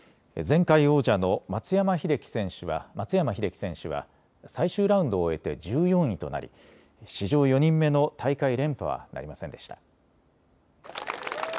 前回王者の松山英樹選手は、最終ラウンドを終えて１４位となり史上４人目の大会連覇はなりませんでした。